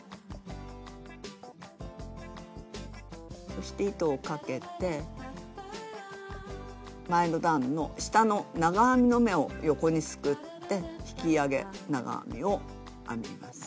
そして糸をかけて前の段の下の長編みの目を横にすくって引き上げ長編みを編みます。